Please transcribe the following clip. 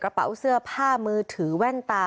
เป๋าเสื้อผ้ามือถือแว่นตา